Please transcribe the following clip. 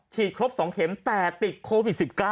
ครบ๒เข็มแต่ติดโควิด๑๙